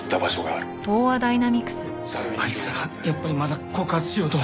あいつらやっぱりまだ告発しようと。